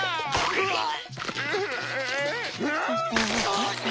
うわっ！